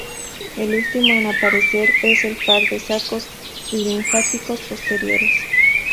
El último en aparecer es el par de "sacos linfáticos posteriores".